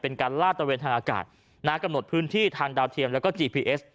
ลาดตระเวนทางอากาศนะกำหนดพื้นที่ทางดาวเทียมแล้วก็จีพีเอส